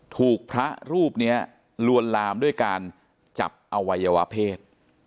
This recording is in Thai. ถูกพระรูปนี้ลวนลามด้วยการจับอวัยวะเพศ